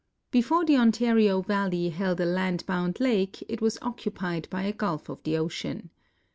Before the Ontario valley held a land bound lake it was occupied by a gulf of the ocean.